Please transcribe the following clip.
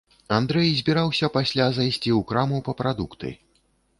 Андрэй збіраўся пасля зайсці ў краму па прадукты.